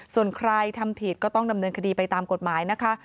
ส่วนใครทำผิดก็ต้องดำเนินคดีไปตามกฎหมายนะคะ